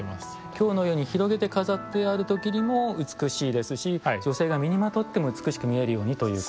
今日のように広げて飾ってある時にも美しいですし女性が身にまとっても美しく見えるようにということですか。